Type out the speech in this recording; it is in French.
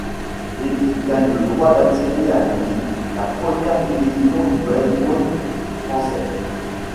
L'équipe gagne le droit d'accéder à l'Élite, la première division du baseball français.